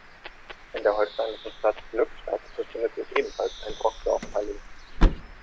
In der holsteinischen Stadt Glückstadt befindet sich ebenfalls ein Brockdorff-Palais.